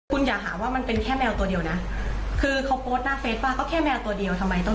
เขาเพียงแค่แมวตัวเดียวนะคุณก็แค่แมวตัวเดียวทำไงต้อง